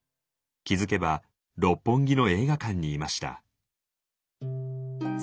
気付けば六本木の映画館にいました。